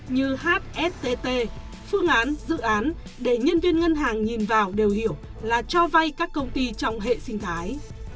như hsttt phương án dự án để nhân viên ngân hàng nhìn vào đều hiểu là cho vay các công ty trong hệ sinh thái